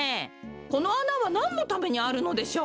このあなはなんのためにあるのでしょう？